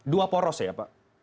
dua poros ya pak